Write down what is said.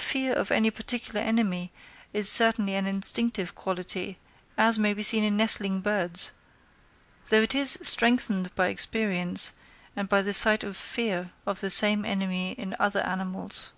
Fear of any particular enemy is certainly an instinctive quality, as may be seen in nestling birds, though it is strengthened by experience, and by the sight of fear of the same enemy in other animals.